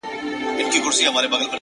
د چا د زړه د چا د سترگو له دېواله وځم _